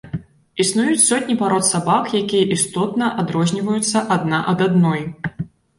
Існуюць сотні парод сабак, якія істотна адрозніваюцца адна ад адной.